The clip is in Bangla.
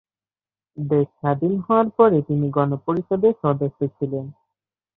দেশ স্বাধীন হওয়ার পরে তিনি গণপরিষদের সদস্য ছিলেন।